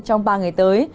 trong ba ngày tới